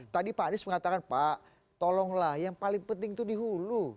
tadi pak anies mengatakan pak tolonglah yang paling penting tuh dihulu